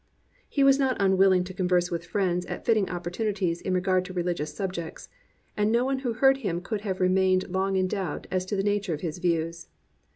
He was not imwilling to converse with friends at fitting opportunities in regard to religious subjects, and no one who heard him could have remained long in doubt as to the nature of his views.